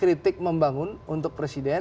kritik membangun untuk presiden